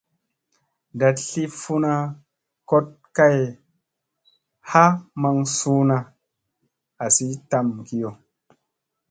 Ndat sli funa kot kay ha maŋ suuna azi tam kiyo.